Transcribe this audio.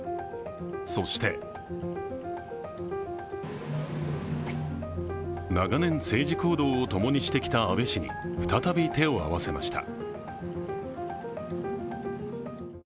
そして長年政治行動をともにしてきた安倍氏に再び手を合わせました。